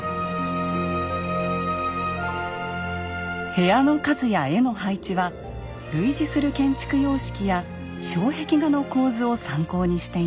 部屋の数や絵の配置は類似する建築様式や障壁画の構図を参考にしています。